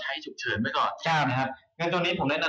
หรือออมเป็นไปการศึกษาหรูดหลาน